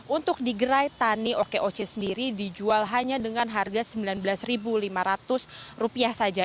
untuk di gerai tani okoc sendiri dijual hanya dengan harga rp sembilan belas lima ratus saja